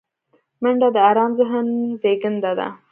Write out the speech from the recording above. منډه د آرام ذهن زیږنده ده